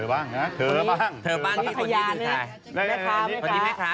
ขอด้วยไหมก่อนเราไต้ตัวล็อตตารีค่ะ